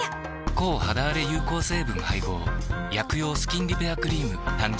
抗肌あれ有効成分配合薬用スキンリペアクリーム誕生